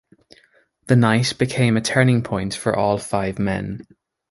The night becomes a turning point for all five men.